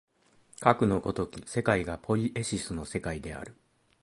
かくの如き世界がポイエシスの世界である。